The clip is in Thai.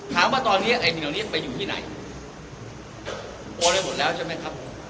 ถามว่าตอนนี้ไอ้สิ่งเหล่านี้ไปอยู่ที่ไหนโอนไปหมดแล้วใช่ไหมครับ